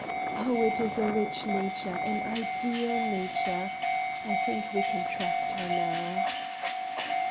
Oh, it is a rich nature, an ideal nature! I think we can trust her now."